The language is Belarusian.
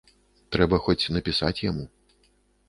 Трэба хоць напісаць яму.